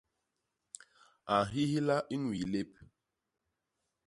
A nhihla i ñwii lép.